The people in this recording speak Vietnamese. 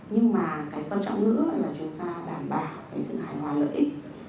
nhưng mà cái quan trọng nữa là chúng ta đảm bảo cái sự hài hòa lợi ích